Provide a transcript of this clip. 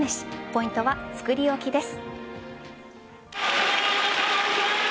ポイントは作り置きです。